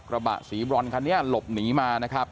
กระบะสีบรอนคันนี้หลบหนีมานะครับ